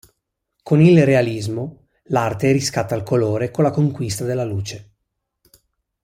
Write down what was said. Con il realismo, l'arte riscatta il colore con la conquista della luce.